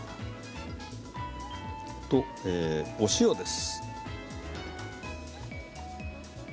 お塩です。